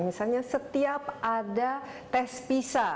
misalnya setiap ada tes pisa